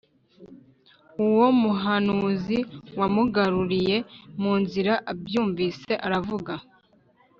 Uwo muhanuzi wamugaruriye mu nzira abyumvise aravuga